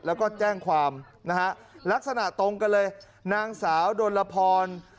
แล้วก็แจ้งความนะฮะลักษณะตรงกันเลยนางสาวดนรพร